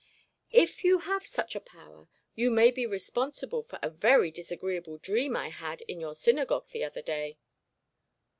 'If you have such a power, you may be responsible for a very disagreeable dream I had in your synagogue the other day.'